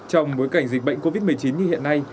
trong bối cảnh dịch bệnh covid một mươi chín như hiện nay